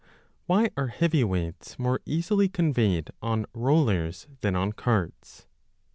Why are heavy weights more easily conveyed on rollers than on carts